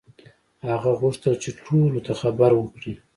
هغه غوښتل چې ټولو ته خبر وکړي.